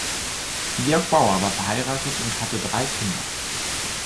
Georg Bauer war verheiratet und hatte drei Kinder.